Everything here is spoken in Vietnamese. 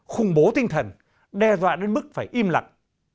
khủng bố tinh thần đe dọa đến mức phải im lặng